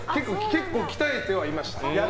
結構、鍛えていました。